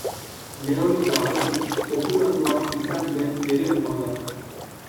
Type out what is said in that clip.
Neolito Arotik populatua izan den eremua da.